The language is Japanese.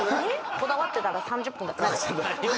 こだわってたら３０分。